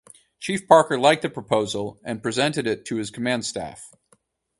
Chief Parker liked the proposal and presented it to his command staff.